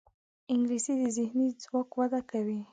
انګلیسي د ذهني ځواک وده کوي